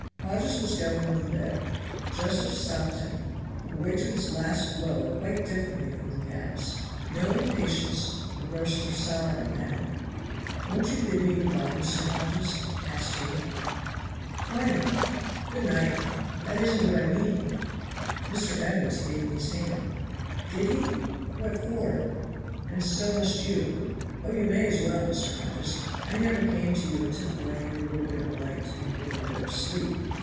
Hodges was going with the bed. Josephs stopped him. The boy took this last blow quite differently from the gas; no impatience or burst of sorrow now. "Won't you bid me good by, Mr. Hodges?" asked he. "Why not? Good night." "That isn't what I mean. Mr. Evans gave me his hand." "Did he? what for?" "And so must you. Oh, you may as well, Mr. Hodges. I never came to you and took away your little bit of light and your little bit of sleep.